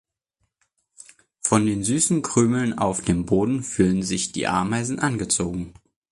Von den süßen Krümeln auf dem Boden fühlen sich die Ameisen angezogen.